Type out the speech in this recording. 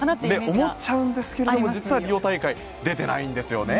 思っちゃうんですけど実はリオ大会出てないんですね。